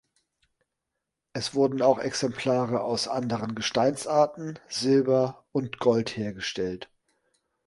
Es wurden auch Exemplare aus anderen Gesteinsarten, Silber und Gold hergestellt.